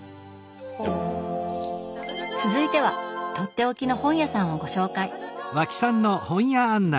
続いてはとっておきの本屋さんをご紹介